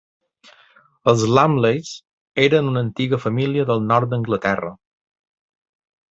Els Lumleys eren una antiga família del nord d'Anglaterra.